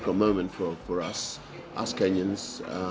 kami kenyanya bukan hanya indonesia